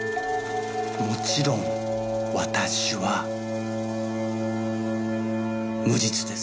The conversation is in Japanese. もちろん私は無実です。